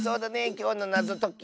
きょうのなぞとき。